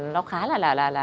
nó khá là